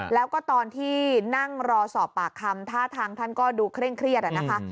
แล้วก็ตอนที่นั่งรอสอบปากคำท่าทางท่านก็ดูเคร่งเครียดนะคะ